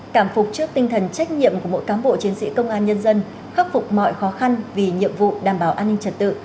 cảm phục trước tinh thần trách nhiệm của mỗi cám bộ chiến sĩ công an nhân dân khắc phục mọi khó khăn vì nhiệm vụ đảm bảo an ninh trật tự